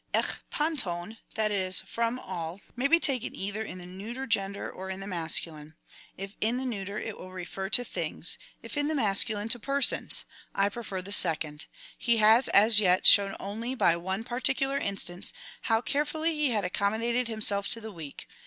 Ek irdvrcov, that is, from all, may be taken either in the neuter gender or in the mas culine. If in the neuter, it will refer to things ; if in the masculine, to persons. I i:)refer the second. He has as yet shown only by one particular instance how carefully he had accommodated himself to the weak.